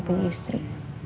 aku punya istri